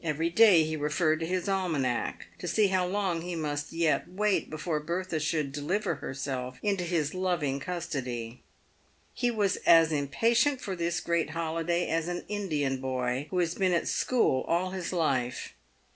Every day he referred to his almanack to see how long he must yet wait before Bertha should deliver herself into his loving custody. He was as impatient for this great holiday as an Indian boy who has been at school all his life.